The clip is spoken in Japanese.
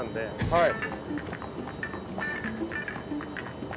はい。